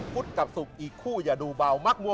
พุทธกับศุกร์อีกคู่อย่าดูเบามักมัว